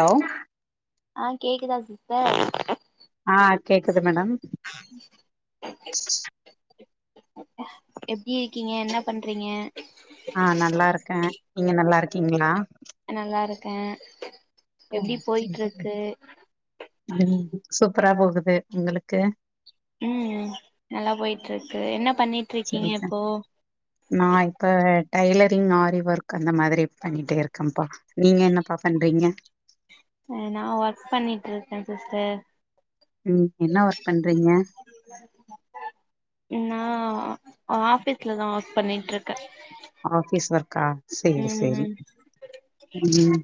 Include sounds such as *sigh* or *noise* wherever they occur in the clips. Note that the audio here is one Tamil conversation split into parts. ஹலோ ஆஹ் கேக் குதா *inaudible* ஆஹ் கேக்குது மேடம் *inaudible* எப்டி இருக்கீங்க என்ன பண்றீங்க ஆ நல்லா இருக்கே நீங்க நல்லா இருக்கீங்களா நல்லாருக்கே எப்டி போய்ட்ருக்கு உம் சூப்பரா போகுது உங்களுக்கு ம் நல்லா போய்ட்ருக்கு என்ன பண்ணிட்ருக்கீங்க சரி இப்போ *inaudible* நா இப்ப டை்லரிங் ஆரி ஒர்க் அந்த மாதிரி பண்ணிட்டே இருக்கம்ப்பா நீங்க என்னப்பா பண்றீங்க அ நா ஒர்க் பண்ணிட்ருக்கே சிஸ்டர் ம் என்ன ஒர்க் பண்றீங்க நா அ ஆஃபீஸ்ல தா ஒர்க் பண்ணிட்ருக்கே ஆஃபீஸ் ஒர்க்கா செரி செரி ம் உம்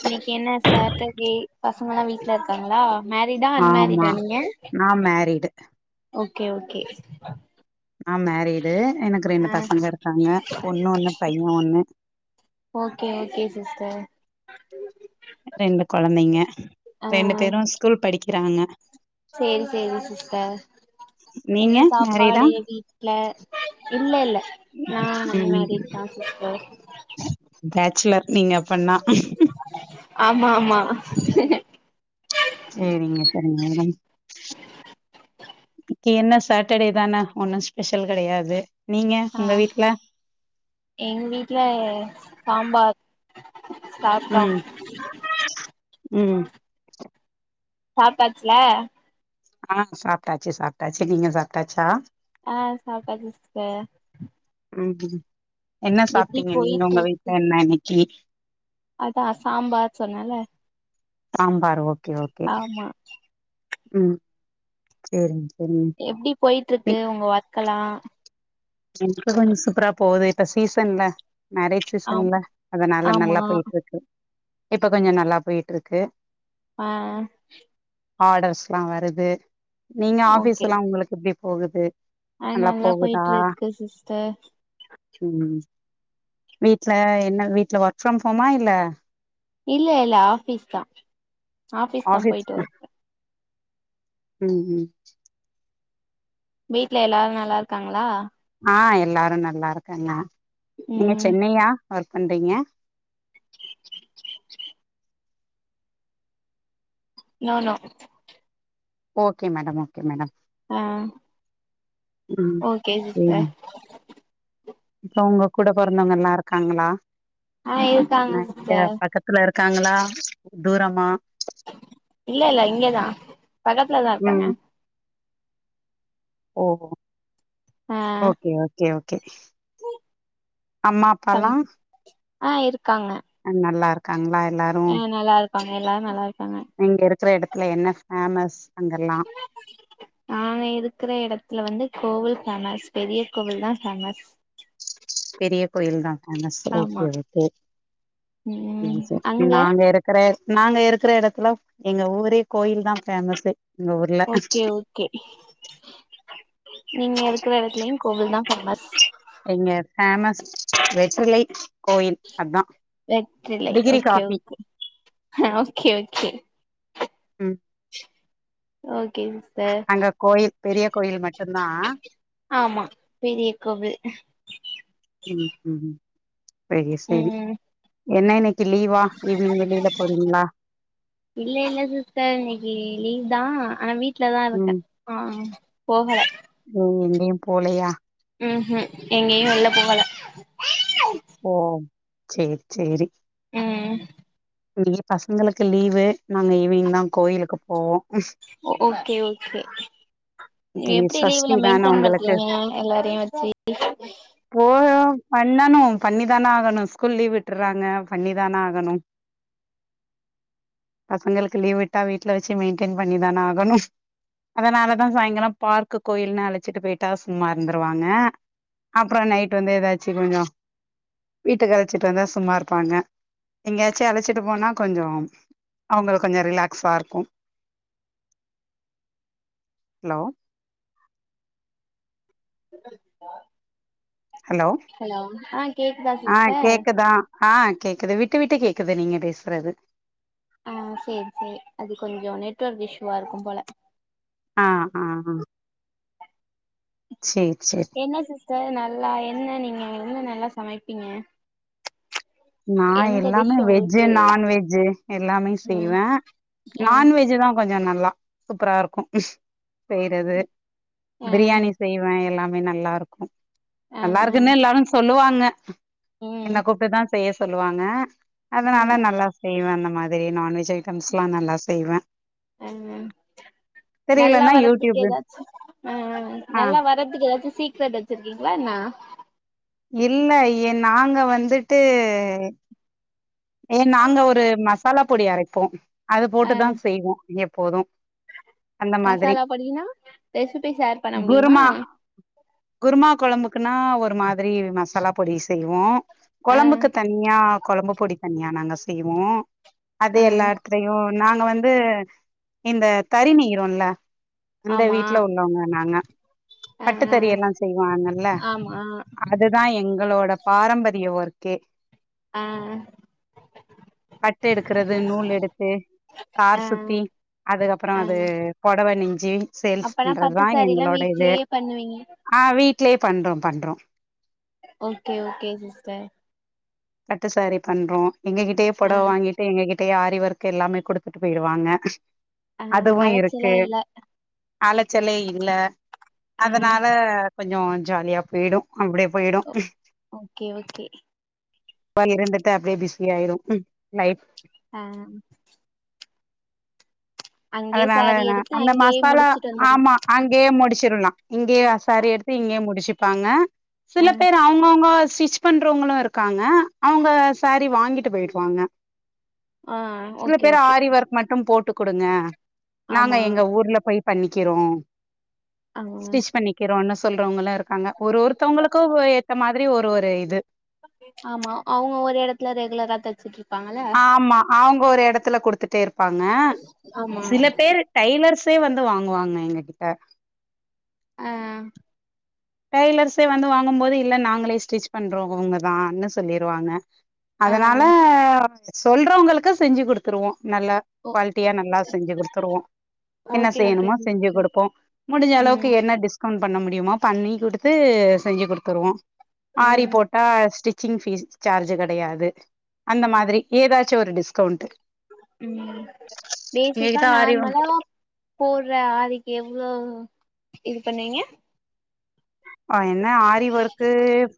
இன்னைக் என்ன சாட்டர்டே பசங்கல்லா வீட்லருக்காங்ளா ஆமா நா மேரிடு ஓகே ஓகே நா மேரி டு எனக்கு ரெண்டு ஆ பசங்க இருக்காங்க பொண்ணு ஒன்னு பைய ஒன்னு அ ரெண்டு கொழந்தைங்க ஆ ரெண்டு பேரு ஸ்கூல் படிக் க்றாங்க சேரி சேரி சிஸ்டர் என்ன நீங்க மேரிடா சாப்பாடு வீட்ல இல்ல இல்ல நா ம் அன்மேரீட்தா சிஸ்டர் பேச்லர் நீங்க பண்ணா ஆமா ஆமா சேரிங்க செரிங்க நம் க்கிஎன்ன சேட்டர்டே தான ஒன்னு ஸ்பெஷல் கெடையாது நீங்க உங்க ஆஹ் வீட்ல எங்க வீட்ல சாம்பார் சாத்தம் உம் சாப்டாச்ல ஆஹ் சாப்டாச்சி சாப்டாச்சி நீங்க சாப்டாச்சா ஆஹ் சாப்டாச்சி சிஸ்டர் ஆம்பி என்ன எப்டி சாப்டிங்க நீங்க உங்க போயிட்ருக்கு வீட்ல என்ன இன்னைக் சேரி அதா சாம்பார் சொன்னேல தாம் பாரு ஓகே ஓகே ம் சேரிங்க சேரிங்க எப்டி பொயிட்ருக்கு உங்க வா கலா என்க்கு கொஞ்சொ சூப்பரா போது இப்ப சீசன்ல மேரேஜ் ஆ சீசன்ல அதனால ஆமா நல்லா பொயிட்ருக்கு இப்ப கொஞ்சொ நல்லா பொயிட்ருக்கு ஆஹ் ஆர்டர்ஸ்லா வருது நீங்க ஆஃபீஸ்ஸலா உங்களுக்கெப்டி போகுது ஆஹ் நல்லா பொயிட்ருக்கு சிஸ் த உம் வீட்ல என்ன வீட்ல ஒர்க் ஃப்ரம் ஹோமா இல்ல இல்ல இல்ல ஆஃபீஸ் தா ஆஃபிஸ் தா பொயிட்டு வ உம் உம் வீட்ல எல்லாரு நல்லாருக்காங்களா ஆஹ் எல்லாரு நல்லாருக்காங்க நீங்க ம் சென்னையா ஒர்க் பண்றிங்க நானா ஓகே மேடம் ஓகே மேடம் அ ம் ஓகே சேரிங் சிஸ்டர் இப்ப அவங்க கூட பொறந்தவங்கல்லா இருக்காங்களா ஆ இருக்காங்க என்ன எங்க சிஸ்டர் பக்கத்துல இருக்காங்களா தூரமா இல்ல இல்ல இங்கதா பக்கத்துலதா இருக்காங்க ஓஹோ ஓ ஆ ஓகே ஓகே ஓகே அம்மா தம் அப்பல்லா ஆ இருக்காங்க நல்லா கங்ளா எல்லாரு ங்க எல்லாரு நல்லா இருக்காங்க நீங்க இருக்கிற இடத்துல என்ன ஃபேமஸ் அங்கெல்லா நாங்க இருக்கிற இடத் இதுல வந்து கோவில் ஃபேமஸ் பெரிய கோவில் தா ஃபேமஸ் பெரிய கோயில் தா ஃபேமஸ் ஆமா ஓகே ஓகே ம் அங்க நாங்க இருக்கற நாங்க இருக்கிற எடத்துல எங்க ஊரே கோயில்தா ஃபேமஸு எங்க ஊர்ல ஓகே ஓகே நீங்க இருக்குற எடத்துலயு கோவில்தா ஃபேமஸ் எங்க ஃபேமஸ் வெற்றிலை கோயில் அதா வெற்றிலை டிகிரி ஓகே காஃபி ஓகே அ ஓகே ஓகே ம் ஓ அங்க கோயில் பெரிய கோயில் மட்டுந்தா ஆமா பெரிய கோவில் ம் ம் சேரி சேரி ம் என்ன இன்னிக்கு லீவா ஈவினிங் வெளியில போறிங்ளா இல்ல இல்ல சிஸ்டர் இன்னைக்கு லீவ் தா ஆனா வீட் லதா இருக்க ஆ போகல ம் எங்கயு போலையா ம் ஹு எங்கயு வெள்ல போகல ஓஹ் சேரி சேரி உம் இன்னைக்கி பசங்களுக்கு லீவு நாங்க ஈவினிங் தான் கோயிலுக்கு போவோம் ஓ ஓகே ஓகே இன்னைக்கு எப்படி சஷ்டி லீவுல தான மெயின்டெய்ன் உங்களுக்கு பண்றீங்க எல்லாரையு வச்சி பண்ணனு பண்ணி தானே ஆகணும் ஸ்கூல் லீவ் விட்டுறாங்க பண்ணி தானே ஆகணும் பசங்களுக்கு லீவ் விட்டா வீட்ல வச்சு மெயின்டென் பண்ணி தானே ஆகணும் அதனால தான் சாயங்காலம் பார்க்கு கோயில்னு அழைச்சிட்டு போயிட்டா சும்மா இருந்துருவாங்க அப்புறம் நைட் வந்து ஏதாச்சும் கொஞ்ச வீட்டுக்கு அழைச்சிட்டு வந்தா சும்மா இருப்பாங்க எங்கேயாச்சும் அழைச்சிட்டு போனா கொஞ்ச அவங்க கொஞ்ச ரிலாக்ஸா இருக்கு ஹலோ *unintelligible* ஹலோ ஆஹ் கேக்குதா சிஸ்டர் ஆஹ் கேக்குது விட்டு விட்டு கேக்குது நீங்க பேசுறது ஆஹ் சேரி சேரி அது கொஞ்ச நெட்வொர்க் இஷூுவா இருக்கு போல ஆஹ் ஆஹ் ஆஹ் என்ன சிஸ்டர் நல்லா என்ன நீங்க என்ன நல்லா சமைப்பீங்க நா எந்த எல்லாமே டிஷ் வெஜ்ஜு உங்களுக்கு நான்வெஜ்ஜூ எல்லாமே ம் செய்வேன் ஆ நான்வெஜ்தா கொஞ்ச நல்லா சூப்பரா இருக்கு செய்யறது ஆ பிரியாணி செய்வேன் எல்லா மே நல்லா இருக்கு ஆ ஆ நல்லா இருக்குன்னு எல்லாரு சொல்லுவாங்க உன்ன என்ன ம் கூப்டுதான் செய்ய சொல்லுவாங்க ஆ அதனால நல்லா செய்வேன் ந மாதிரி நான்வெஜ் ஐட்டம்ஸ்லாம் நல்லா செய்வேன் அ அ நல்லா தெரியலன்னா வர்றதுக்கு யூடியூப் எதாச்சு ஆ ஆ நல்லா வரற்துக் எதாச்சு சீக்ரெட் வெச்சிருக்கிங்ளா என்ன இல்ல எ நாங்க வந்துட்டு ஏ நாங்க ஒரு மசாலாப் பொடி அரைப்போ அது ஆ போட்டு தான் செய்வோ எப் போதும் மசாலா பொடினா ரெசுப்பி சேர் பண்ண முடியுமா குருமா க்குன்னா ஒரு மாதிரி மசாலா பொடி செய்வோ ஆ கொழம்புக்கு தனியா கொழம்பு பொடி தனியா நாங்க செய்வோ அது ஆ எல்லா எடத்லயும் நாங்க வந்தூ இந்த தரி நெய்றோன்ல அந்த ஆமா வீட்ல உள்ளவங்க நாங்க ஆ ஆ பட்டுத்தறி எல்லாம் செய்வான்னல்ல ஆமா அதுதான் எங்களோட பாரம்பரிய ஒர்க்கே ஆ. பட்டு எடுக்குறது நூல் எடுத்து ஆ தார் சுத்தி அதுகப்பறோம் ஆ அது பொடவ நிஞ்சி சேல்ஸ் அப்பனா பத்து பண்றதுதான் சாரிலா எங்களோட இது வீட்லயே பண்ணுவீங்க ஆ வீடலயேப் பண்றோம் பண்றோம் ஓக்கே ஓக்கே சிஸ்டர் பட்டு சாரி பண்றோம் எங்க கிட்டயே ஆ பொடவ வாங்கிட்டு எங்ககிட் டே ஆரி ஒர்க்கு எல்லாமே குடுத்துட்டு போயிருவாங்க ஆ அலச்சலே இல்ல ஆலச்சலே இல்ல ஆ அதனால கொஞ்சோ ஜாலியா போய்டும் அப்டியே போய்டும் ஓக்கே ஓக்கே. இருந்துட்டு அப்டியே பிஸியாயிரும் ம் லைட் ஆ. அங்கயே அதனால சாரீ நா எடுத்து அந்த அங்கயே மசாலா முடிச்சுட்டு வந்துர்லா ஆமா அங்கயே முடிச் றுலாம் இங்கயே சேரி எடுத்து இங்யே முடிச்சிப்பாங்க ஆ சில பேர் அவ்ங்கவுங்க ஸ் ஸ்டிச் பண்றவுங்களும் ருக்காங்க அவ்ங்க சாரி வாங்கிட்டு போயிட்வாங்க ஆ சில ஓகே பேரு ஓகே ஆரி ஒர்க் மட்டும் போட்டுக் குடுங்க நாங்க ஆமா எங்க ஊர்ல போய் பண்ணிக்கிறோம் ஆமா ஸ்டிச் பண்ணிக்கிறோம் அன்ஸ் சொல்றாங்கள ர் இருக்காங்க ஒரு ஒருத்தவங்களுக்கும் ஏத்த மாரி ப்ரி ஒரு ஒரு இது ஆமா அவங்க ஒரு இடத்துல ரெகுலரா தச்சுற்று ஆமா அவங்க ஒரு எத் த்துல கொடுத்துட்டு தேருப்பாங்க ஆமா சில பேர் டைலர்ஸ் பே வந்து வாங்குவாங்க எங்க கிட்ட அஹ் டெய்லர்ஸே வந்து வாங்கும்போது இல்ல நாங்களே ஸ்டிச் பண்றோம் அவங்கதான்னு சொல்லிருவாங்க ஆ அதனால சொல்றவங்களுக்கு செஞ்சு கொடுத்துருவோம் நல்லா ஓ குவாலிட்டியா நல்லா செஞ்சு கொடுத்துருவோம் என்ன ஓகே ஓகே செய்யணுமோ செஞ்சு சிஸ்டர் கொடுப்போம் முடிஞ்ச அளவுக்கு ம் என்ன டிஸ் கவுண்ட் பண்ண முடியுமா பண்ணி குடுத்து செஞ்சு குடுத்துருவோம் ஆரி ம் போட்டா ஸ்டிச் ஜிங் ஃபீஸ் சார்ஜ் கடையாது அந்த மாதிரி ஏதாச் சு ஒரு டிஸ்கவுண்ட்டு உம் பேசிக்கா எங்ககிட்ட ஆரி நார்மலா போடுற ஆரிக்கு எவ் ளோவு இது பண்ணீங்க ப என்ன aari work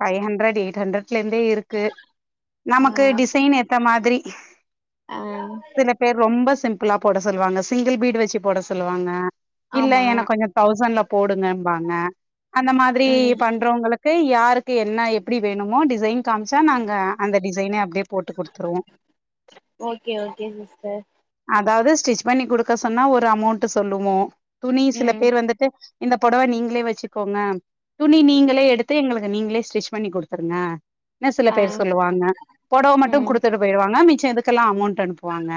five hundred eight hundred லேந்து இருக்கு ஆ நமக்கு டிசைனு த மாதிரி ஆ சில பேர் ரொம்ப ஸ் சிம்பிளாக போட சொல்லுவாங்க சிங்கிள் பீடு வச்சு போட சொல்லுவாங்க இல்ல ஆமா எனக்கு கொஞ்சம் தௌசண்ட்ல போடுங்க வாங்க அந்த திரி ம் பண்றவங்களுக்கு யாருக்கு என்ன எப்படி வேணுமோ டிசைன் காமிச்சா நாங்க அந்த டிசைன அப்டியே போட்டு குடுத்துருவோ ஓகே ஓகே சிஸ்டர் அதாது ஸ்டிச் பண்ணி குடுக்க சொன்னா ஒரு அமௌண்ட் சொல்லுவோ துணி சில ம் பேர் வந்துட்டு இந்த புடவ நீங்களே வச்சுக்கோங்க துணி நீங்களே எடுத்து எங்களுக்கு நீங்களே ஸ்டிச் பண்ணி குடுத்துருங்க என சில ஆ பேர் சொல்லுவாங்க புடவ மட்டு ம் குடுத்துட்டு போயிடுவாங்க மி மிச்சோ எதுக்கெல்லாம அமௌண்ட் அனுப்புவாங்க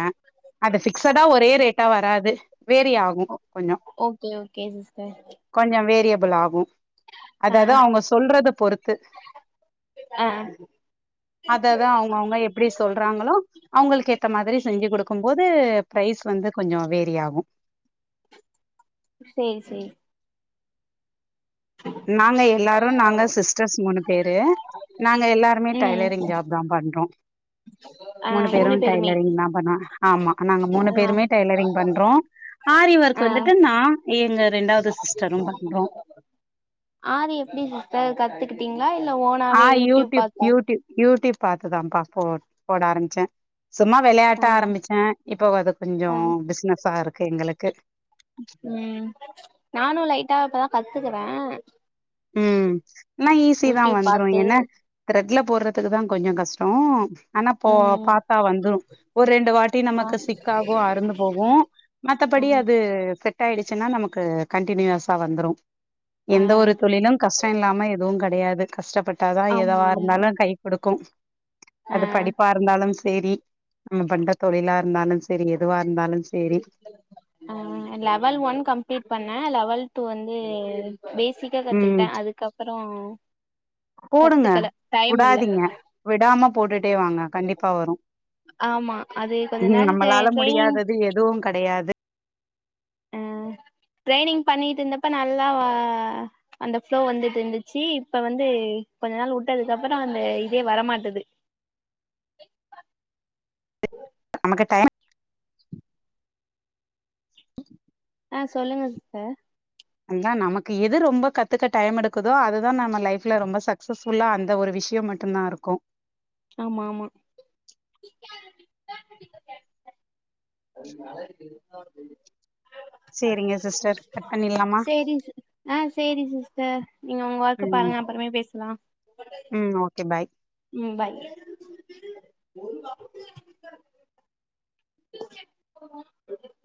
அது பிக்ஸடா ஒரே ரேட்டா வராது வேரியி ஆகு ஓ கொஞ்சோ ஓகே ஓகே சிஸ்டர் கொஞ்சோ வேரிய *unintelligible* ஆ அதாது அவங்க சொல்றத பொறுத்து ஆ அததா அவங்க அவங்க எப்படி சொல்றாங்களோ அவங்களுக்கு ஏத்த மாதிரி செஞ்சு குடுப் பாக்குபோது ப்ரைஸ் வந்து கொஞ்சோ வேரி ஆகும் சேரி சேரி நாங்க எல்லாரு நாங்க சிஸ்டர்ஸ் மூனு பேரு நாங்க எல்லாருமே ம் டைலரிங் ஜாப்தா பண்றோ ஆ மூணு பேரு பேருமே டைலரிங்தா பண்ணா ஆமா நாங்க மூணு ஆ பேருமே டைலரிங் பண்றோ ஆரி ஒர்க் ஆ வந்துட்டு நா எங்க ரெண்டாவது சிஸ்டரும் பண்றோ ஆரி எப்பிடி சிஸ்டர் கத்துக்கிட்டிங் ஆ யூடியுப் யூடியுப் யூடிப் பாத்துதாம்ப்பா போ போட ஆரம்பிச்ச சும்மா ஆ வெளையாட்டா ஆரம்பிச்ச இப்போ அது கொஞ்சோ ஆ பிசுனஸா இருக்கு எங்களுக்கு ம் நானு லைட்டா இப்பதா கத்துக்குற ம் என்னா ஈஸிதா வந்துரு பாத்து என்ன த்ரெட்ல போடுறதுக்குதா கொஞ்ச கஷ்டோ ஆனா போ ம் பாத்தா வந்துரு ஒரு ரெண்டு வாட்டி ஆ நமக்கு சிக்காகு அறுந்து போகு மத்தபடி ம் அது செட் ஆயிடுச்சுனா நமக்கு கண்டினியூயஸா வந்துரு ஆ கஷ்ட இல்லாம எதுவு கெடையாது கஷ்டப்பட் டாதா ஆமா எதவா ஆமா இருந்தாலு கை குடுக் கு ஆ அது படிப்பா இருந்தாலும் செரி நம்ம பண்ற தொழில இருந்தாலும் செரி எதுவா இருந்தாலு சேரி லெவல் ஒன் கம்ப்ளீட் பண்ண லெவல் டு வந்து பேசிக்கா கத்துக்கிட்ட ம் அதுக்கப்பற தா போடுங்க விடாதிங்க விடாம போட்டுட்டே வாங்க கண்டிப்பா வரு ஆமா அது கொஞ்ச நாள் டெ ட்ரைனிங் இது யாருது ம் ட்ரரைனிங் பண்ணிட்டு இருந்தப்ப நல்லா அந்த ப்ளோ வந்துட்டு இருந்துச்சு இப்ப வந்து கொஞ்ச நாள் வுட்டதுக்கு அப்புறம் அந்த இதே வரமாட்டது *unintelligible* *inaudible* ஆ சொல்லுங்க சார் அதான் நமக்கு எது ரொம்ப கத்துக்க டைம் எடுக்குதோ அதுதான் நம்ம லைஃப்ல ரொம்ப சக்சஸ்புல்லா அந்த ஒரு விஷயம் மட்டும் தான் இருக்கும் ஆமா ஆமா *inaudible* சேரிங்க சிஸ்டர் கட் பண்ணிட்லாமா சரி ஆ சரிங்க சிஸ்டர் நீங்க உங்க ஒர்க் ம் பாருங்க அப்புறமே பேசலாம் ம் ஓகே பாய் ம் பாய்